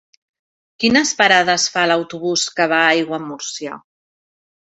Quines parades fa l'autobús que va a Aiguamúrcia?